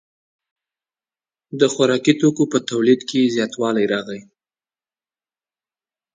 د خوراکي توکو په تولید کې زیاتوالی راغی.